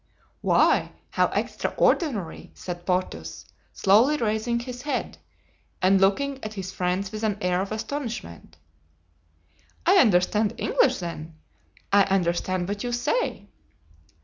"Why, how extraordinary!" said Porthos, slowly raising his head and looking at his friends with an air of astonishment, "I understand English, then! I understand what you say!"